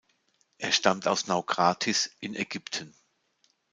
Er stammte aus Naukratis in Ägypten.